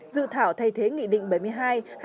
dự thảo thay thế nghị định bảy mươi hai hai nghìn một mươi ba